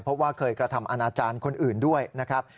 เพราะว่าเคยกระทำอนาจารย์คนอื่นด้วยนะครับ